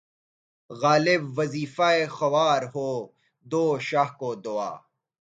غالبؔ! وظیفہ خوار ہو‘ دو شاہ کو دعا